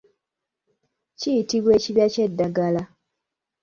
Kiyitibwa ekibya ky'eddagala.